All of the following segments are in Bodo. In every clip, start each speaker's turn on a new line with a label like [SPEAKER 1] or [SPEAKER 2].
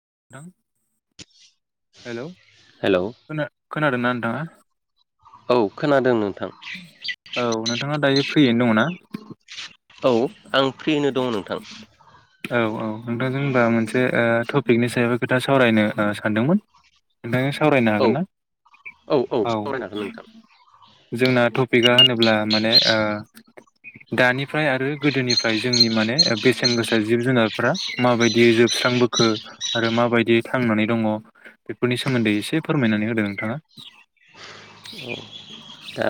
[SPEAKER 1] [inaudible] हेल'
[SPEAKER 2] हेलौ
[SPEAKER 1] खोना-खोनादोंना नोंथाङा?
[SPEAKER 2] औ खोनादों नों
[SPEAKER 1] औ नोंथाङा दायो फ्रियैनो दङ ना?
[SPEAKER 2] औ आं फ्रियैनो दङ नोंथां।
[SPEAKER 1] नोंथां जेनेबा मोनसे ओ टपिकनि सायावबो खोथा सावरायनो सानदोंमोन नोंथांजों सावरायनो
[SPEAKER 2] औ
[SPEAKER 1] हागोन ना औ
[SPEAKER 2] सावरायनो हागोन नोंथां
[SPEAKER 1] जोंना टपिकआ होनोब्ला माने ओ दानि फ्राय आरो गोदोनिफ्राय जोंनि माने बेसेन गोसा जिब जुनारफ्रा माबायदि जोबस्रांबोखो आरो माबायदि थांनानै दङ बेफोरनि सोमोन्दै एसे फोरमायनानै होदों नोंथाङा।
[SPEAKER 2] दा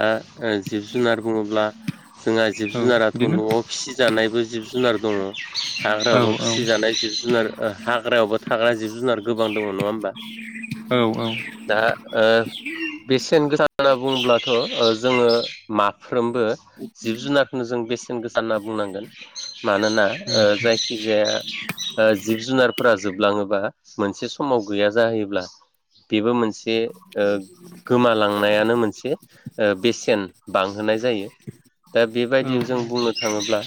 [SPEAKER 2] जिब जुनार बुङोब्ला जोंहा जिब
[SPEAKER 1] औ
[SPEAKER 2] जुनारा
[SPEAKER 1] बिदिनो
[SPEAKER 2] न'आव फिसिजानायबो जिब जुनार दङ
[SPEAKER 1] औ
[SPEAKER 2] हाग्राबो
[SPEAKER 1] औ
[SPEAKER 2] फिसिजानाय जिब जुनार हाग्रा यावबो थाग्रा जिब जुनार गोबां दङा होनोमबा
[SPEAKER 1] ओ
[SPEAKER 2] दा ओ बेसेन गोसा होनना बुङोब्लाथ' ओ जोङो माफ्रोमबो जिब जुनारखौनो जों बेसेन गोसा होनना बुंनांगोन मानोना ओ जो जायखिजाया ओ जिब जुनारफोरा जोबलाङोबा मोनसे समाव गैया जाहैयोब्ला बेबो मोनसे ओ गोमालांनायानो मोनसे ओ बेसेन बांहोनाय जायो। दा बेबायदि जों बुंनो थाङोब्ला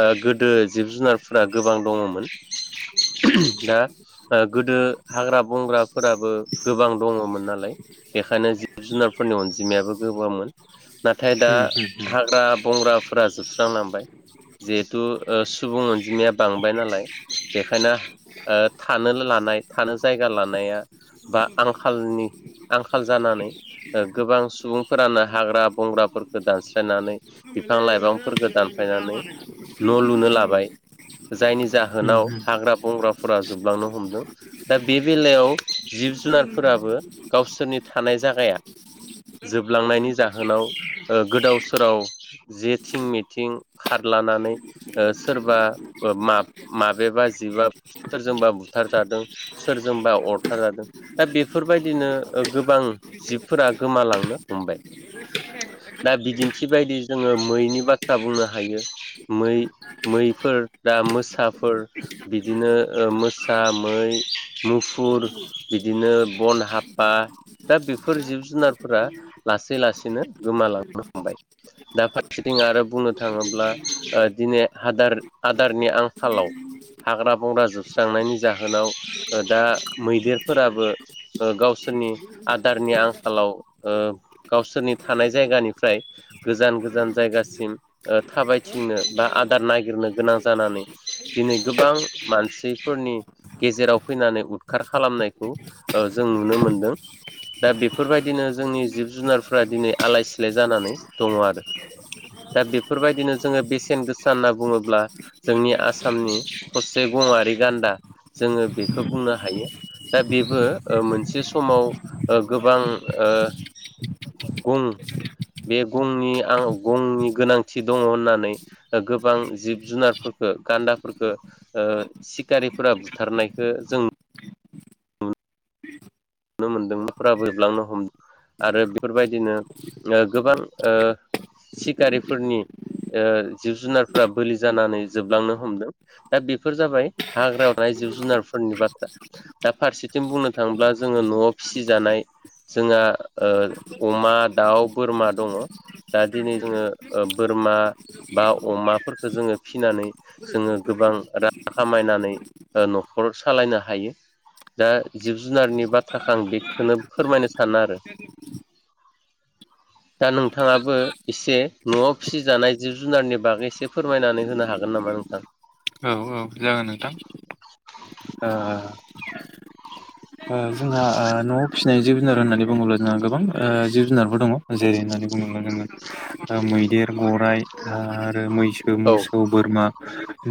[SPEAKER 2] ओ गोदो जिब जुनारफोरा गोबां दङमोन। दा ओ गोदो हाग्रा बंग्राफोराबो गोबां दङमोन नालाय बेखायनो जि जुनारफोरनि अनजिमायाबो गोबांमोन नाथाय दा हाग्रा बंग्राफोरा जोबस्रांलांबाय जिहेथु ओ सुबुं अनजिमाया बांबाय नालाय बेखायनो ओ थानो लानाय थानो जायगा लानाया बा आंखालनि आंखाल जानानै ओ गोबां सुबुंफोरानो हाग्रा बंग्राफोरखौ दानस्लायनानै बिफां लाइफांफोरखौ दानफायनानै न' लुनो लाबाय जायनि जाहोनाव हाग्रा बंग्राफोरा जोबलांनो हमदों दा बे बेलायाव जिब जुनारफोराबो गावसोरनि थानाय जा
[SPEAKER 1] [inaudible]
[SPEAKER 2] जोबलांनायनि जाहोनाव ओ गोदाव सोराव जेथिं मिथिं खारला ना सोरबा माबेबा जिबा सोरजोंबा बुथारजादों सोरजोंबा अरथार जादों दा बेफोरबायदिनो ओ गोबां जिबफोरा गोमालांनो हमबाय।
[SPEAKER 1] [inaudible]
[SPEAKER 2] दा बिदिन्थि बायदि जोङो मैनि बाथ्रा बुंनो हायो मै मैफोर दा मोसाफोर बिदिनो ओ मोसा मै मुफुर बिदिनो बन हाफा दा बे फोर जिब जुनारफोरा लासै लासैनो गोमालांनो हमबाय दा फारसेथिं आरो बुं बुंनो थाङोब्ला दिनै आदार आदारनि आंखालाव हाग्रा बंग्रा जोबस्रांनायनि जाहोनाव दा मैदेरफोराबो गावसोर नि आद दारनि आंखालाव ओ गावसोरनि थानाय जायगानिफ्राय गोजान गोजान जायगासिम थाबायथिंनो बा आदार नागिरनो गोनां जानानै दिनै गोबां मानसि फोरनि गेजेराव फैनानै उदखार खालामनायखौ जों नुनो मोनदों। दा बेफोरबायदिनो जोंनि जिब जुनारफ्रा दिनै आलाय सिलाय जानानै दङ आरो। दा बेफोरबायदिनो जोङो बेसेन गोसा होनना बुङोब्ला जोंनि आसामनि थरसे गं गंआरि गान्दा जोङो बेखौ बुंनो हायो दा बेबो मोनसे समाव ओ गोबां ओ गं बे गंनि आं गंनि गोनांथि दङ होननानै गोबां जिब जुनारफोरखौ गान्दाफोरफोरखो सिखारिफोरा बुथारनायखो जों नुनो मोन्दों न'फोरा जोबलांनो हमदों आरो बेफोरबायदिनो गोबां सिखारिफोरनि ओ जिब जुनारफ्रा बोलि जानानै जोबलांनो हमदों दा बेफोर जाबाय हाग्रायाव नाय जिब जुनारफोरनि बाथ्रा दा फारसेथिं बुंनो थाङोब्ला जोङो न'आव फिसि जानाय जोंहा ओ अमा दाउ बोरमा दङ। दा दिनै जोङो बोरमा बा अमाफोरफोरखौ जोङो फिनानै जोङो गोबां रां खामायनानै न'खर सालायनो हायो दा जिब जुनारनि बाथ्राखौ आं बेखौनो फोरमायनो सानो आरो।
[SPEAKER 1] [inaudible]
[SPEAKER 2] दा नोंथाङाबो एसे न'आव फिसिजानाय जिब जुनारनि बागै एसे फोरमायनानै होनो हागोन नामा नोंथां?
[SPEAKER 1] औ औ जागोन नोंथां। जोंहा ओ न'आव फिसिनाय जिब जुनार होननानै बुङोब्ला जोंहा गोबांह जिब जुनारफोर दङ जेरै होननानै बुङोब्ला जोङो मैदेर गराइ आरो मैसो
[SPEAKER 2] औ
[SPEAKER 1] मोसौ बोरमा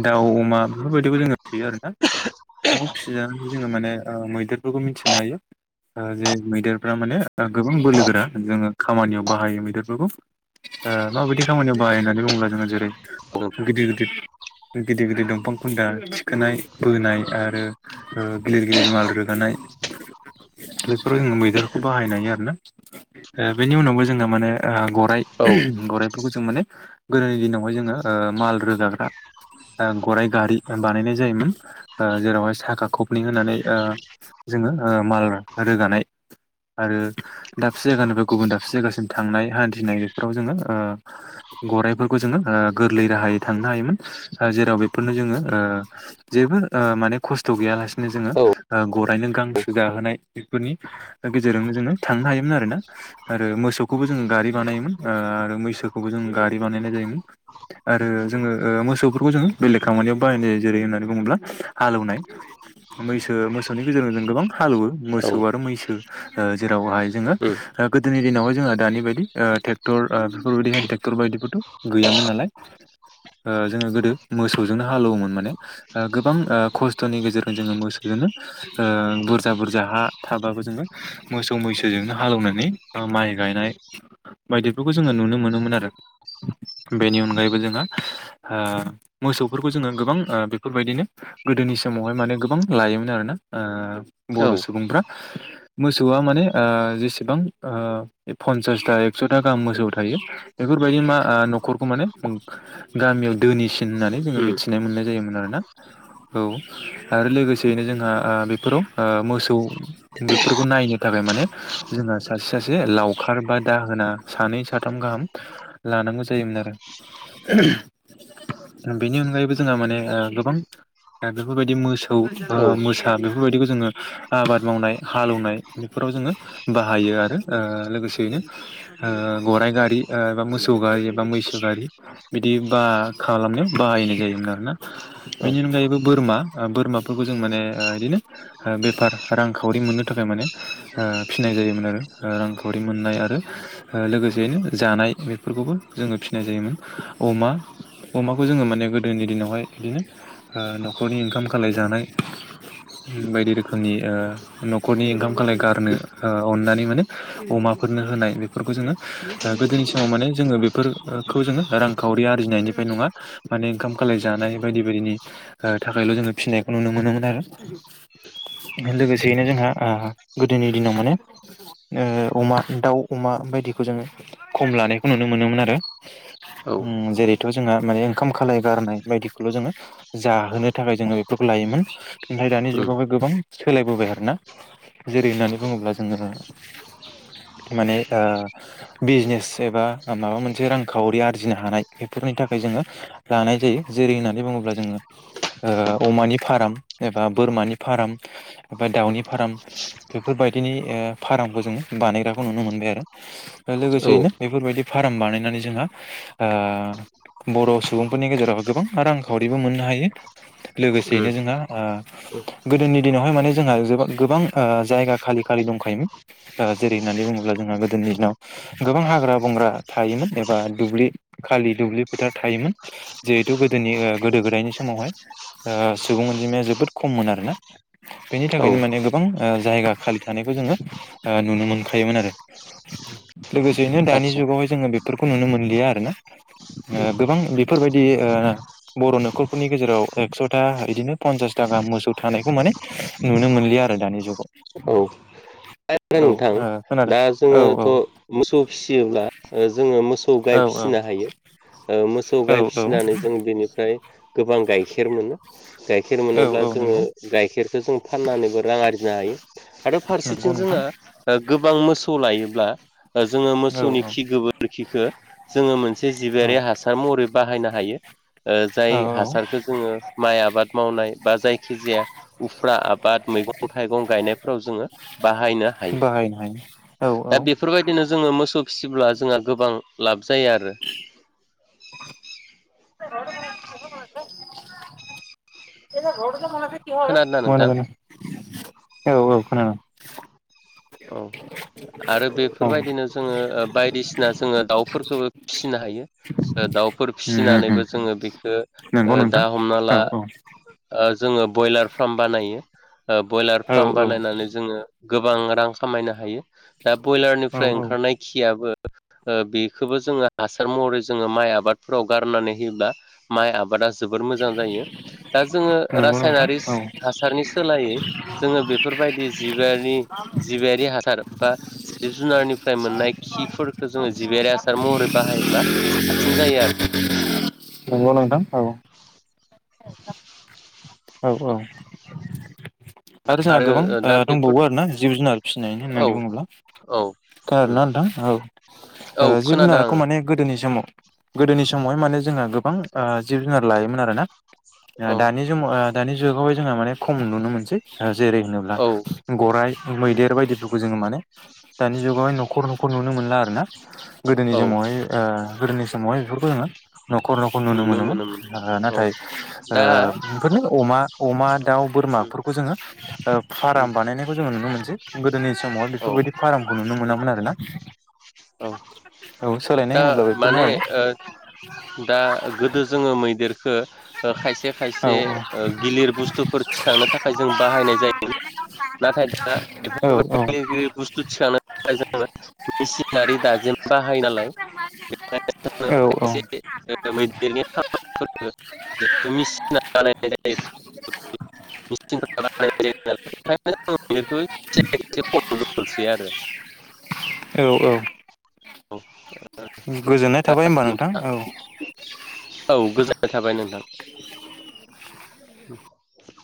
[SPEAKER 1] दाउ अमा बेफोरबायदिखौ जोङो फिसियो आरो ना न'आव फिसिजानाय जोङो माने मैदेरफोरखौ मिथिनो हायो। जे मैदेरफ्रा माने गोबां बोलोगोरा जोङो खामानियाव बाहायो मैदेरफोरखौ ओ माबायदि खामानियाव बाहाय होननानै बुङोब्ला जोङो जेरै
[SPEAKER 2] नोंथां
[SPEAKER 1] गिदिर गिदिर गिदिर गिदिर दंफां खुन्दा थिखोनाय बोनाय आरो गिलिर गिलिर माल रोगानाय बेफोर जोङो मैदेरखौ बाहायनाय आरोना। बेनि उनावबो जोंहा माने गराइ
[SPEAKER 2] औ
[SPEAKER 1] गराइफोरखौ जों माने गोदोनि दिनावहाय जोङो माल रोगाग्रा गराइ गारि बानायनाय जायोमोन जेरावहाय साखा खबनै होनानै ओ जोङो माल रोगानाय आरो दाबसे जायगानिफ्राय गुबुन दाबसे जायगासिम थांनाय हान्थिनाय बेफोराव जोङो ओ गराइफोरखौ जोङो गोरलै राहायै थांनो हायोमोन। जेराव बेफोरनो जोङो ओ जेबो ओ माने खस्थ' गैयालासेनो जोङो
[SPEAKER 2] औ
[SPEAKER 1] ओ गरायनो गांसो जाहोनाय बेफोरनि गेजेरावनो जोङो थांनो हायोमोन आरोना आरो मोसौखौ जोङो गारि बानायोमोन ओ मैसोखौबो जोङो गारि बानायनाय जाय आरो जोङो मोसौफोरखौ जोङो बेलेग खामानियाव बाहानायनाय जायो जेरै होननानै बुङोब्ला हालौवनाय मैसो मोसौनि गेजेरजों जों गोबां हालौवो
[SPEAKER 2] उम
[SPEAKER 1] मोसौ आरो मैसो जेरावहाय जोङो गोदोनि दिनावह जोङो ओ दानि बायदि ट्रेक्टर बेफोरबायदि हेन्द ट्रेक्टर बायदिबोथ' गैयामोन नालाय। जोङो गोदो मोसौजोंनो हालेवोमोन माने गोबां खस्थ'नि गेजेरजों जोङो मोसौजोंनो बुरजा बुरजा हा थाबाबो जोङो मोसौ मैसोजोंनो हालौवनानै माइ गायनाय बायदिफोरखौ जोङो नुनो मोनोमोन आरो बेनि अनगायैबो जोङो ओ मोसौफोरखौ जोङो गोबां बेफोरबायदिनो गोदोनि समावहाय माने गोबां लायोमोन आरोना। ओ
[SPEAKER 2] औ
[SPEAKER 1] बर
[SPEAKER 2] उम
[SPEAKER 1] सुबुंफ्रा मोसौआ माने ओ जेसेबां ओ पन्सासथा एकसथा गाहाम मोसौ थायो। बेफोरबायदि मा 'खरखौ माने गामियाव दोनिसिन होननानै जोङो मिथिनाय मोननाय जायोमोन आरोना औ आरो लोगोसेयैनो जोंहा बेफोराव मोसौ बेफोरखौ नायनो थाखाय थाखाय माने जोंहा सासे सासे लावखार बा दाहोना सानै साथाम गाहाम लानानै जायोमोन आरो बेनि अनगायैबो जोंहा ओ माने गोबां दा बेफोरबायदि मोसौ
[SPEAKER 2] औ औ
[SPEAKER 1] मोसा बेफोरबायदिखौ जोङो आबाद मावनाय हालौवनाय बेफोराव जोंङो बाहायो आरो लोगोसेयैनो गराइ गारि बा मोसौ गारि एबा मैसो गारि बिदि बा खालामनो बाहायनाय जायोमोन आरोना बेनि अनगायैबो बोरमा बोरमाफोरखौ जों माने बिदिनो बेफार रांखावरि मोननो थाखाय माने फिनाय जायोमोन आरो रांखावरि रि मोननाय आरो लोगोसेयैनो जानाय बेफोरखौबो जोङो फिसिनाय जायोमोन अमा अमाखौ जोङो माने गोदोनि दिनावहाय बिदिनो नखरनिओ ओंखाम खालायजानाय बायदि रोखोमनि ओ नखरनि ओंखाम खालाय गारनो ओ अननानै माने अमा माबाफोरनो होनाय बेफोरखौ जोङो गोदोनि समाव माने जोङो बेफोरखौ जोङो रांखावरि आरो फुिनायनिफ्राय नङा माने ओंखाम खालायजानाय बायदि बायदिनि थाखायल' जोङो फिसिनायखौ नुनो मोनोमोन आरो। [unintelligible] लोगोसेयैनो जोंहा ओ गोदोनि दिनाव माने अमा दाउ अमा बायदिखौ जोंङो खम लानायखौ नुनो मोनोमोन, उम जेरै जोंहा ओंखाम खालाय गारनाय बायदिखौल जोंङो जाहोनो थाखाय जोङो बेफोरखौ लायोमोन नाथाय दानि
[SPEAKER 2] उम
[SPEAKER 1] जुगावबो गोबां सोलायबोबाय आरोना, जेरै होननानै बुङोब्ला जोङो माने ओ बिजनेस एबा माबा मोनसे रांखावरि आरजिनो हानाय। फोरनि थाखाय जोङो लानाय जायो जेरै होननानै बुङोब्ला जोङो अमानि फार्म एबा बा बोरमानि फार्म बा दाउनि फार्म बेफोरबायदिनि ओ फार्मखौ जोङो बानाय बानायग्राखौ नुनो मोनबाय आरो
[SPEAKER 2] औ उम
[SPEAKER 1] लोगोसेयैनो बेफोरबायदि फार्म बानायनानै जोंङो ओ बर' सुबुंफोरनि गेजेरावहाय गोबां रांखावरिबो मोननो हायो लोगोसेयैनो जोंहा ओ गोदोनि दिनावहाय माने जोंहा गोबां जायगा खालि खालि दंखायोमोन जेरै न होननानै बुङोब्ला जोंहा गोदोनि दिनाव गोबां हाग्रा बंग्रा थायोमोन एबा दुब्लि खालि दुब्लि फोथार थायोमोन जिहेथु गोदोनि गोदो गोदायनि समावहाय सुबुं अनजिमाया जोबोद खम मोन आरोना। बेनि
[SPEAKER 2] औ
[SPEAKER 1] थाखायनो माने गोबां ओ जायगा खालि थानायखौ जोङो ओनुनो नुनोमोनखायोमोन आरो। लोगोसेयैनो दानि
[SPEAKER 2] आदसा
[SPEAKER 1] जुगावहाय जोङो बेफोरखौ नुनो मोनलिया आरोना। गोबां बेफोरबायदि बर' न'खरफोरनि गेजेराव एक्स'था बिदिनो पन्सासथा मोसौ थानायखौ माने नुनो मोनलिया आरो दानि जुगाव।
[SPEAKER 2] औ नोंथां
[SPEAKER 1] औ। खोनादों
[SPEAKER 2] दा
[SPEAKER 1] औ
[SPEAKER 2] जोङोथ मोसौ फिसियोब्ला जोङो मोसौ
[SPEAKER 1] औ
[SPEAKER 2] गाइ
[SPEAKER 1] औ
[SPEAKER 2] फिसिनो हायो मोसौ
[SPEAKER 1] औ
[SPEAKER 2] गाइ फिसिनानै जों बेनिफ्राय गोबां गाइखेर मोनो। गाइखेर
[SPEAKER 1] औ
[SPEAKER 2] मोनोब्ला
[SPEAKER 1] औ
[SPEAKER 2] जोङो
[SPEAKER 1] नंगौ
[SPEAKER 2] गाइखेरखौ जों फाननानैबो रां आरजिनो हायो आरो फारसेथिं
[SPEAKER 1] नंगौ नोंथां
[SPEAKER 2] जोंहा गोबां मोसौ लायोब्ला जोङो
[SPEAKER 1] औ
[SPEAKER 2] मोसौनि खि गोबोरखिखो जोङो मोनसे
[SPEAKER 1] औ
[SPEAKER 2] जिबिआारि हासार महरै बाहायनो हायो। ओ
[SPEAKER 1] औ
[SPEAKER 2] जाय हासारखो जोङो माइ आबाद मावनाय बा जायखि जाया उफ्रा आबाद मोन मैगं थाइगं गायनायफोराव जोङो बाहायनो हायो
[SPEAKER 1] बाहायनो हायो औ औ
[SPEAKER 2] दा बेफोरबायदिनो जोङो मोसौ फिसिब्ला जोंहा गोबां लाब जायो आरो [inaudible]
[SPEAKER 1] [unintelligible] [unintelligible]
[SPEAKER 2] खोनादोंना
[SPEAKER 1] औ
[SPEAKER 2] नोंथां
[SPEAKER 1] औ खोनादों
[SPEAKER 2] औ आरो
[SPEAKER 1] औ उम
[SPEAKER 2] बेफोरबायदिनो जोङो बायदिसिना जोङो दाउफोरखौबो फिनो हायो ओ दाउफोर फिसिनानैबो
[SPEAKER 1] उम
[SPEAKER 2] जोङो बेखो ओ
[SPEAKER 1] नंगौ
[SPEAKER 2] दा
[SPEAKER 1] नोंथां
[SPEAKER 2] हमना
[SPEAKER 1] औ
[SPEAKER 2] ला
[SPEAKER 1] औ
[SPEAKER 2] ओ जोङो ब्रयलार फार्म बानायो ब्रयलार
[SPEAKER 1] औ
[SPEAKER 2] फार्म बानायनानै जोङो गोबां रां खामायनो हायो दा
[SPEAKER 1] औ
[SPEAKER 2] ब्रयलारनिफ्राय
[SPEAKER 1] औ
[SPEAKER 2] ओंखारनाय खियाबो ओ बेखौबो जोङो हासार महरै जोङो माइ आबादफोराव गारनानै होयोब्ला माइ आबादा जोबोर मोजां जायो दा जोङो
[SPEAKER 1] नंगौ नोंथां
[SPEAKER 2] रासायनारि
[SPEAKER 1] औ
[SPEAKER 2] हासारनि सोलायै जोङो बेफोर बेबायदि जिबबारनि जिबियारि हासार बा जिब जुनारनिफ्राय मोननाय खिफोरखौ जोङो जिबियारि हासार महरै बाहाय योब्ला साबसिन जायो आरो।
[SPEAKER 1] [unintelligible] नंगौ नोंथां औ। औ औ। आरो जोंहा गोबां
[SPEAKER 2] आरो
[SPEAKER 1] ओ
[SPEAKER 2] दा बेफोर
[SPEAKER 1] दंबावो आरोना जिब जुनार फिसिनाय
[SPEAKER 2] औ
[SPEAKER 1] होननानै बुङोब्ला।
[SPEAKER 2] औ
[SPEAKER 1] खोनादों
[SPEAKER 2] उम
[SPEAKER 1] ना नोंथां? [unintelligible]
[SPEAKER 2] औ
[SPEAKER 1] ओ जिब
[SPEAKER 2] खोनादों आङो
[SPEAKER 1] जुनारखौ माने गोदोनि समाव गोदोनि समावहाय माने जोंहा गोबां ओ जिब जुनार लायोमोन आरोना। ओ जम ओ दानि जुगावहाय जोंहा माने खम नुनो मोनसै। जेरै होनोब्ला
[SPEAKER 2] औ
[SPEAKER 1] गराइ मैदेर बायदिफोरखौ जोङो माने दानि जुगावहाय न'खर न'खर नुनो मोनो आरोना गोदोनि
[SPEAKER 2] औ
[SPEAKER 1] समावहाय ओ गोदोनि समावहाय बेफोरखौ जोङो न'खर न'खर नुनो मोनोमोन ओ
[SPEAKER 2] औ
[SPEAKER 1] नाथाय ओ
[SPEAKER 2] दा
[SPEAKER 1] बेफोरनि बो अमा अमा दाउ
[SPEAKER 2] उम
[SPEAKER 1] बोरमाफोरखौ जोङो फार्म
[SPEAKER 2] उम
[SPEAKER 1] बानायनायखौ जोङो नुनो मोनसै गोदोनि समावहाय
[SPEAKER 2] औ
[SPEAKER 1] बेफोरबायदि फार्मखौ नुनो
[SPEAKER 2] उम
[SPEAKER 1] मोनामोन आरो ना।
[SPEAKER 2] औ दा
[SPEAKER 1] होनोब्ला बेफोरनो
[SPEAKER 2] माने
[SPEAKER 1] आरोना
[SPEAKER 2] ओ। दा गोदो जोङो मैदेरखो ओ खायसे खायसे
[SPEAKER 1] औ
[SPEAKER 2] ओ गिलिर बुस्थुफोर थिखांनो थाखाय जों बाहायनाय जायो नाथाय दा
[SPEAKER 1] औ
[SPEAKER 2] बेफोरबायदि बुस्थु थिखांनो थाखाय जोङो मिसिन नारि दाजेम बाहायो नालाय
[SPEAKER 1] औ
[SPEAKER 2] [unintelligible] [unintelligible]
[SPEAKER 1] [inaudible]
[SPEAKER 2] [unintelligible] मोनसे आरो
[SPEAKER 1] औ औ।
[SPEAKER 2] औ
[SPEAKER 1] [inaudible] गोजोननाय
[SPEAKER 2] दा
[SPEAKER 1] थाबाय होमबा नोंथां औ।
[SPEAKER 2] औ गोजोननाय थाबाय नोंथां। [inaudible]